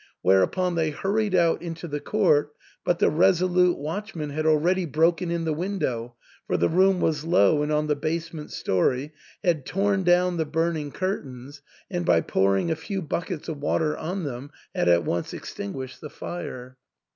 Whereupon they hurried out into the court, but the resolute watchman had already broken in the window, for the room was low and on the basement story, had torn down the burning curtains, and by pouring a few buckets of water on them had at once extinguished the fire.